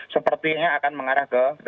sepertinya akan mengarah ke